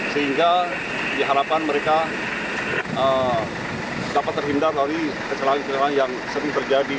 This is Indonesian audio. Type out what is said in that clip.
sehingga diharapkan mereka dapat terhindar dari kecelakaan kecelakaan yang sering terjadi